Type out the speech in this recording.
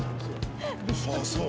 ああそう。